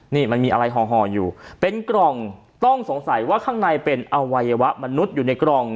นี่มันมีอะไรห่ออยู่เป็นกล่องต้องสงสัยว่าข้างในเป็นอวัยวะมนุษย์อยู่ในกล่อง